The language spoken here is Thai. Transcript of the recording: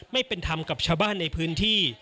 ไม่เป็นธรรมกับชาวบ้านในพื้นที่